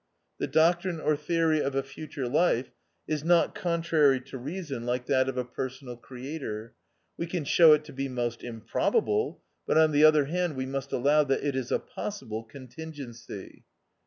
The doctrine or theory THE OUTCAST. 261 of a future life is not contrary to reason like that of a Personal Creator. We can show it to be most improbable ; but on the other hand we must allow that it is a possible contingency.